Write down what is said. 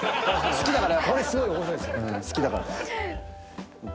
好きだから。